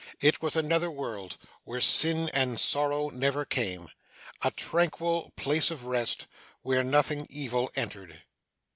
It was another world, where sin and sorrow never came; a tranquil place of rest, where nothing evil entered.